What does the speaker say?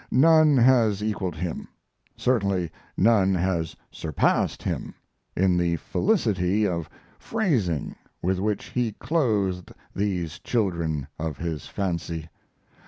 None has equaled him, certainly none has surpassed him, in the felicity of phrasing with which he clothed these children of his fancy.